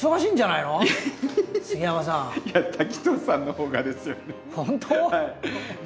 いや滝藤さんのほうがですよね。